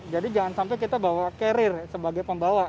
jadi jangan sampai kita bawa karir sebagai pembawa